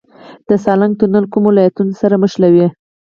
د سالنګ تونل کوم ولایتونه سره نښلوي؟